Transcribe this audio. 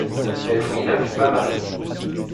Elle jouit d'un climat maritime.